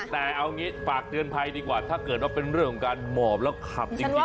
แต่เอางี้ฝากเตือนภัยดีกว่าถ้าเกิดว่าเป็นเรื่องของการหมอบแล้วขับจริง